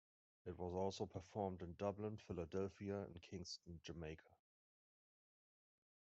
It was also performed in Dublin, Philadelphia and Kingston, Jamaica.